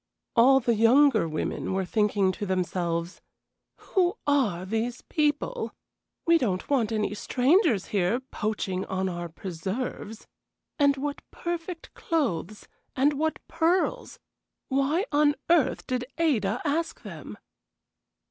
All the younger women were thinking to themselves: "Who are these people? We don't want any strangers here poaching on our preserves. And what perfect clothes! and what pearls! Why on earth did Ada ask them?"